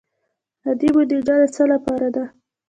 عادي بودجه د څه لپاره ده؟